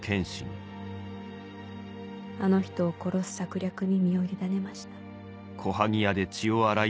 「あの人を殺す策略に身を委ねました」。